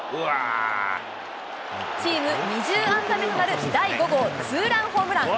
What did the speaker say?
チーム２０安打目となる、第５号ツーランホームラン。